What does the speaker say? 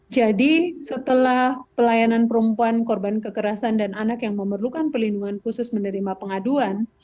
jadi setelah pelayanan perempuan korban kekerasan dan anak yang memerlukan pelindungan khusus menerima pengaduan